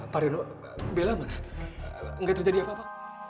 pak reno bella mana enggak terjadi apa apa